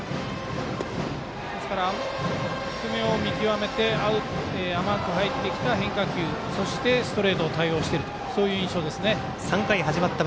ですから、低めを見極めて甘く入ってきた変化球そして、ストレートを対応しているというそういう印象ですね。